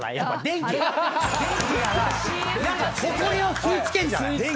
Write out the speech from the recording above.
ほこりを吸い付けるんじゃない？